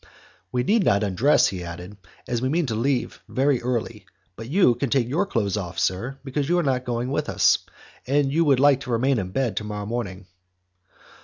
"We need not undress," he added, "as we mean to leave very early, but you can take off your clothes, sir, because you are not going with us, and you will like to remain in bed to morrow morning."